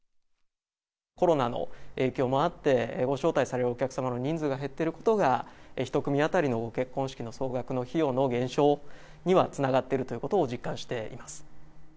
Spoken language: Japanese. コロナの影響もあって、ご招待されるお客様の人数が減ってることが、１組当たりの結婚式の総額の費用の減少にはつながってるということを実感しています。